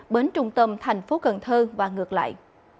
bến trung tâm thành phố cần thơ và ngược lại